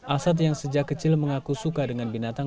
asad yang sejak kecil mengaku suka dengan binatang